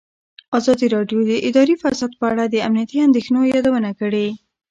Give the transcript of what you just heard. ازادي راډیو د اداري فساد په اړه د امنیتي اندېښنو یادونه کړې.